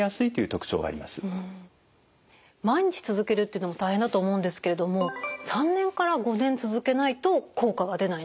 毎日続けるっていうのも大変だと思うんですけれども３年から５年続けないと効果は出ないんですか？